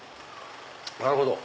なるほど。